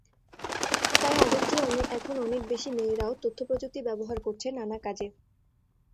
তাই আগের চেয়ে এখন অনেক বেশি মেয়েরাও তথ্যপ্রযুক্তি ব্যবহার করছে নানা কাজে।